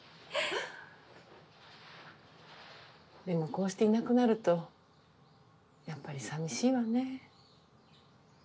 でもこうしていなくなるとやっぱり寂しいわね。